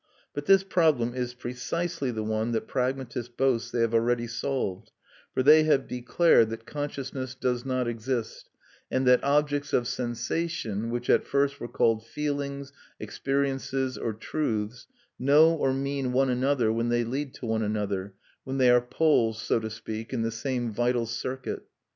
But this problem is precisely the one that pragmatists boast they have already solved; for they have declared that consciousness does not exist, and that objects of sensation (which at first were called feelings, experiences, or "truths") know or mean one another when they lead to one another, when they are poles, so to speak, in the same vital circuit.